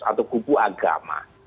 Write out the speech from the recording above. atau kubu agama